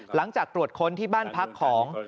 หลังจากตรวจค้นที่บ้านพักของ